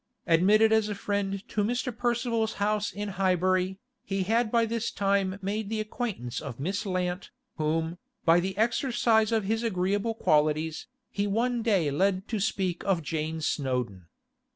Admitted as a friend to Mr. Percival's house in Highbury, he had by this time made the acquaintance of Miss Lant, whom, by the exercise of his agreeable qualities, he one day led to speak of Jane Snowdon.